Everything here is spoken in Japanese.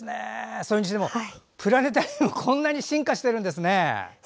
それにしてもプラネタリウムこんなに進化してるんですね。